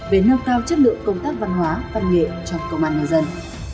về nâng cao chất lượng công tác văn hóa văn nghệ trong công an nhân dân